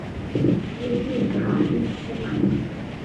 音译卡蒂斯玛。